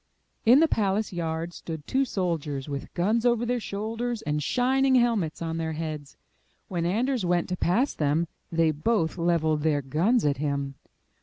In the palace yard stood two soldiers with guns over their shoulders and shining helmets on their heads. When Anders went to pass them, they both leveled their guns at him.